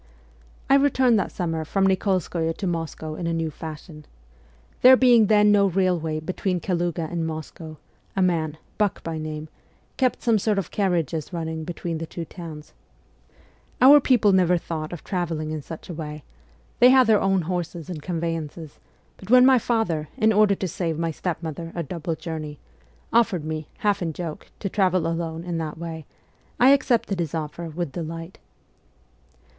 I returned that summer from Nikolskoye to Moscow in a new fashion, There being then no railway between Kaluga and Moscow, a man, Buck by name, kept some sort of carriages running between the two tow r ns. Our people never thought of travelling in such a way : they had their own horses and convey ances ; but when my father, in order to save my step mother a double journey, offered me, half in joke, to travel alone in that way, I accepted his offer with delight.